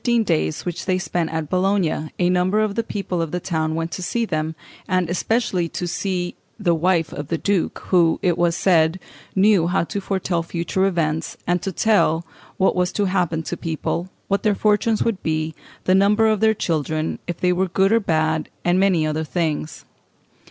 During the fifteen days which they spent at Bologna a number of the people of the town went to see them, and especially to see "the wife of the duke," who, it was said, knew how to foretell future events, and to tell what was to happen to people, what their fortunes would be, the number of their children, if they were good or bad, and many other things (Fig.